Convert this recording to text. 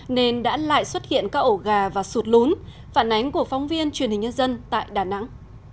nên đã lại xuất hiện các ổ gà và sụt lún phản ánh của phóng viên truyền hình nhân dân tại đà nẵng